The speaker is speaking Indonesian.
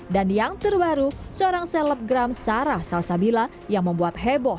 dan yang terbaru seorang selebgram sarah salsabila yang membuat heboh